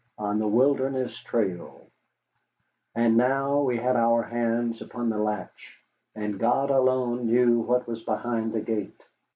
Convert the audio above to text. ON THE WILDERNESS TRAIL And now we had our hands upon the latch, and God alone knew what was behind the gate.